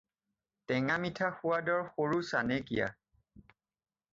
টেঙা-মিঠা সোৱাদৰ সৰু চানেকীয়া।